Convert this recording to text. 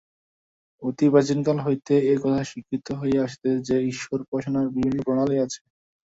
অতি প্রাচীন কাল হইতেই এ-কথা স্বীকৃত হইয়া আসিতেছে যে, ঈশ্বরোপাসনার বিভিন্ন প্রণালী আছে।